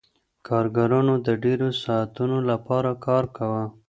کارګرانو د ډیرو ساعتونو لپاره کار کاوه.